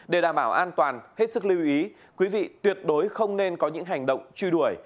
để đảm bảo an toàn hết sức lưu ý quý vị tuyệt đối không nên có những hành động truy đuổi